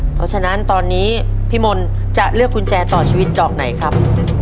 เพราะฉะนั้นตอนนี้พี่มนต์จะเลือกกุญแจต่อชีวิตดอกไหนครับ